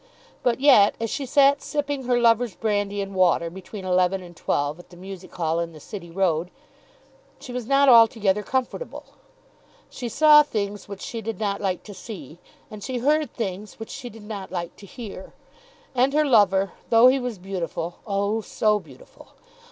But yet as she sat sipping her lover's brandy and water between eleven and twelve at the music hall in the City Road, she was not altogether comfortable. She saw things which she did not like to see. And she heard things which she did not like to hear. And her lover, though he was beautiful, oh, so beautiful!